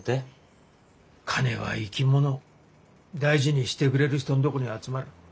金は生き物大事にしてくれる人の所に集まる。